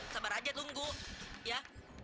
sabar aja tunggu ya